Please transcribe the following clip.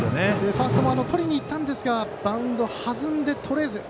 ファーストもとりにいったんですけどバウンド、弾んでとれず。